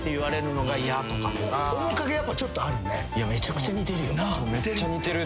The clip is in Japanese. ・めちゃくちゃ似てるよ。